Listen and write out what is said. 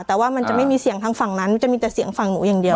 แต่ว่ามันจะไม่มีเสียงทางฝั่งนั้นจะมีแต่เสียงฝั่งหนูอย่างเดียว